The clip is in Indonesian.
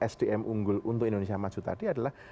sdm unggul untuk indonesia maju tadi adalah